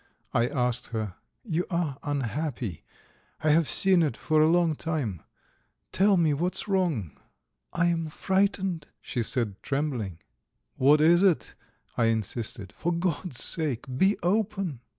I asked her. "You are unhappy; I have seen it for a long time. Tell me what's wrong?" "I am frightened," she said, trembling. "What is it?" I insisted. "For God's sake, be open!"